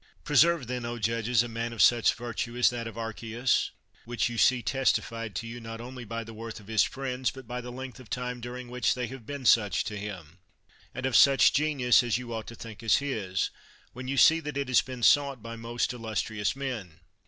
Preserve then, O judges, a man of such virtue as that of Archias, which you see testified to you not only by the worth of his friends, but by the length of time during which they have been such to him ; and of such genius as you ought to think is his, when you see that it has been sought by most illustrious men.